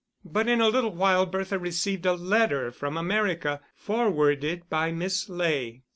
But in a little while Bertha received a letter from America, forwarded by Miss Ley.